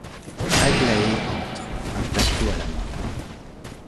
Aglaé entre, un plateau à la main.